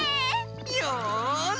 よし！